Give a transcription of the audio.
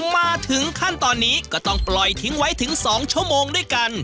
มาถึงขั้นตอนนี้ก็ต้องปล่อยทิ้งไว้ถึง๒ชั่วโมงด้วยกัน